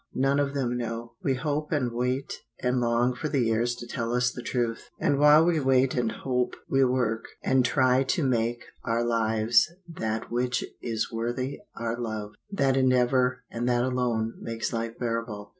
None of them know. We hope and wait and long for the years to tell us the truth. And while we wait and hope, we work, and try to make our lives that which is worthy our love. That endeavour, and that alone, makes life bearable."